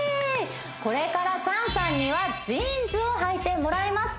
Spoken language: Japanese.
これからチャンさんにはジーンズをはいてもらいます